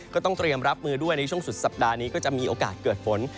ก็ต้องเตรียมรับมือด้วยในช่วงสุดสัปดาห์นี้ก็จะมีโอกาสเกิดฝน